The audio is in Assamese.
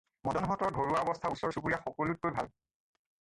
মদনহঁতৰ ঘৰুৱা অৱস্থা ওচৰ চুবুৰীয়া সকলোতকৈ ভাল।